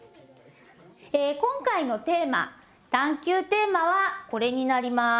今回のテーマ探究テーマはこれになります。